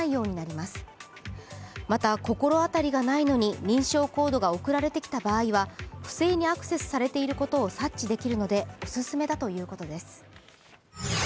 また、心当たりがないのに認証コードが送られてきた場合は不正にアクセスされていることを察知するのでお勧めだということです。